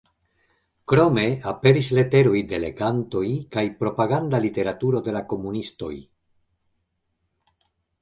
Krome aperis leteroj de legantoj kaj propaganda literaturo de la komunistoj.